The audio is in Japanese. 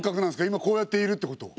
今こうやっているっていうことは。